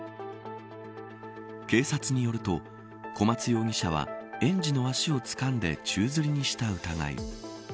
警察によると小松容疑者は園児の足をつかんで宙づりにした疑い。